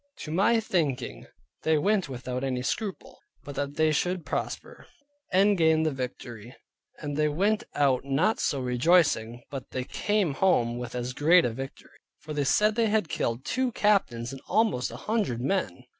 To my thinking they went without any scruple, but that they should prosper, and gain the victory. And they went out not so rejoicing, but they came home with as great a victory. For they said they had killed two captains and almost an hundred men.